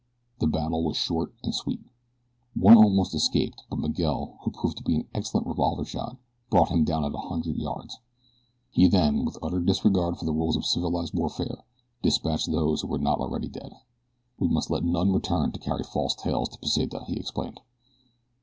The battle was short and sweet. One almost escaped but Miguel, who proved to be an excellent revolver shot, brought him down at a hundred yards. He then, with utter disregard for the rules of civilized warfare, dispatched those who were not already dead. "We must let none return to carry false tales to Pesita," he explained.